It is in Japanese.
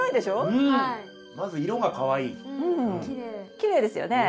きれいですよね。